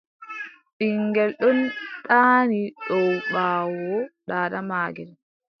Ɓiŋngel ɗon ɗaani dow ɓaawo daada maagel.